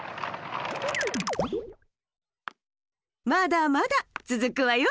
まだまだつづくわよ。